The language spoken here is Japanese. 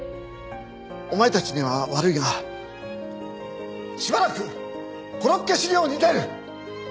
お前たちには悪いがしばらくコロッケ修業に出る！